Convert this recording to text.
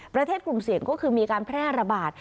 กลุ่มเสี่ยงก็คือมีการแพร่ระบาด